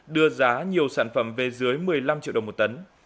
đưa giá nhiều sản phẩm về dưới một mươi năm triệu đồng một tấn